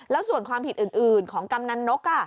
แล้วส่วนความผิดอื่นของกำนันนก